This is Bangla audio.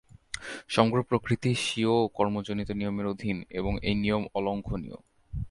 সমগ্র প্রকৃতি স্বীয় কর্মজনিত নিয়মের অধীন এবং এই নিয়ম অলঙ্ঘনীয়।